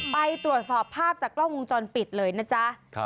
ไปตรวจสอบภาพจากกล้องวงจรปิดเลยนะจ๊ะ